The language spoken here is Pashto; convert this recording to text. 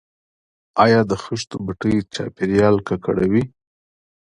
آیا د خښتو بټۍ چاپیریال ککړوي؟